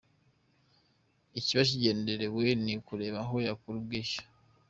Ikiba kigenderewe ni ukureba aho yakura ubwishyu.